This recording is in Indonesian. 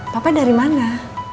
papa dari mana